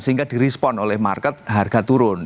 sehingga di respon oleh market harga turun